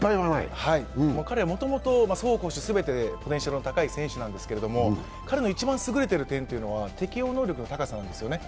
彼はもともと走攻守すべてポテンシャルが高い選手なんですけど彼の一番優れてる点は適応能力の高さなんですね。